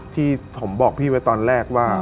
ที่ผมบอกพี่ไว้ตอนแรกว่า